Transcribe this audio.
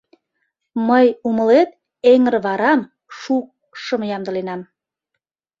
Мый, умылет, эҥырварам, шукшым ямдыленам...